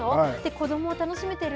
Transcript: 子どもは楽しめてる？